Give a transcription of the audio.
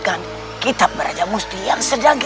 akan kutip pin tracks konstruksi orang lelaki